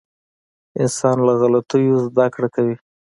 • انسان له غلطیو زده کړه کوي.